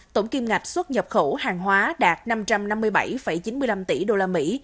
tổng kiêm ngạch xuất nhập khẩu hàng hóa đạt năm trăm năm mươi bảy chín mươi năm tỷ usd